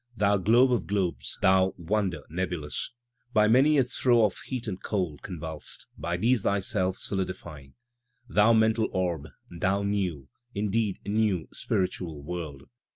Thou globe of globes, thou wonder nebulous! By many a throe^of heat and cold convulsed (by these thyself soUdifying), Thou mental orb — thou New, indeed New, Spiritual World!